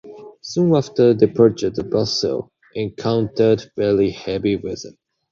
Soon after departure the vessel encountered very heavy weather.